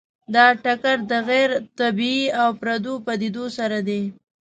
دا ټکر د غیر طبیعي او پردو پدیدو سره دی.